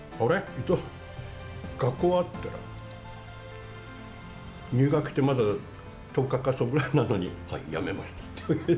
伊藤、学校は？って言ったら、入学してまだ１０日かそこらなのに、やめましたって。